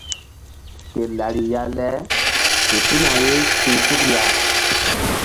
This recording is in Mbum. Ke lariya le fe tuna ye ti̧h suk ya.